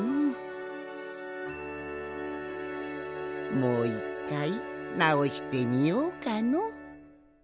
もう１かいなおしてみようかの。